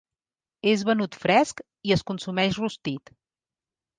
És venut fresc i es consumeix rostit.